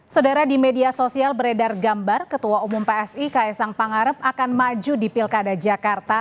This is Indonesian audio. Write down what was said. saudara di media sosial beredar gambar ketua umum psi ks sang pangarep akan maju di pilkada jakarta